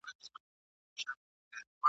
فیصله د خلقت وکړه د انسان !.